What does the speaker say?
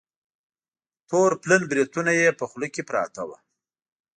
تور پلن بریتونه یې په خوله کې پراته وه.